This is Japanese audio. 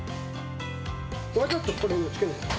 わざとこれをつけない。